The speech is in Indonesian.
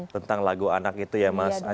tentang lagu anak itu ya mas